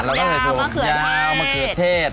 ตัวปับดาวมะเขือเทศ